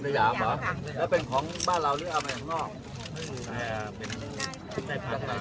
แต่ลายดอกไม้มันต้องมองตลับภายในข้างนอกด้วยรู้จัยไหมน่ะเอ่อ